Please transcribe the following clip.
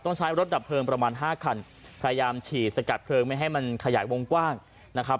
ใช้รถดับเพลิงประมาณห้าคันพยายามฉีดสกัดเพลิงไม่ให้มันขยายวงกว้างนะครับ